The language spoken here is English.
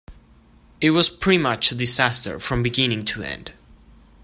It was pretty much a disaster from beginning to end.